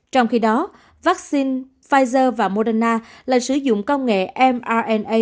trong khi đó vaccine pfizer và moderna lại sử dụng công nghệ mrna